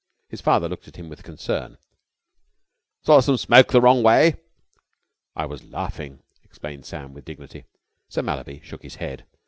His father looked at him with concern. "Swallow some smoke the wrong way?" "I was laughing," explained Sam with dignity. Sir Mallaby shook his head.